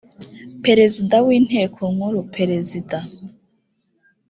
perezida w inteko nkuru perezida